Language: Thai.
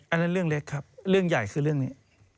อันนั้นเรื่องเล็กครับเรื่องใหญ่คือเรื่องนี้